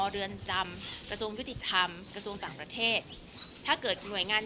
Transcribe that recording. เรือนจำประสวนยุติธรรมกระทด